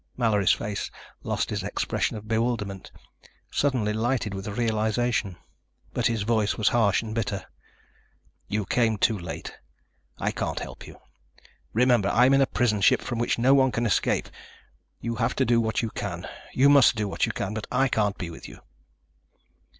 Mallory's face lost its expression of bewilderment, suddenly lighted with realization. But his voice was harsh and bitter. "You came too late. I can't help you. Remember, I'm in a prison ship from which no one can escape. You have to do what you can ... you must do what you can. But I can't be with you."